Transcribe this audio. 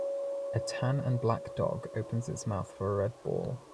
A tan and black dog opens its mouth for a red ball.